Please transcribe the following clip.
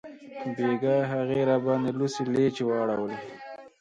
بیګاه هغې راباندې لوڅې لیچې واړولې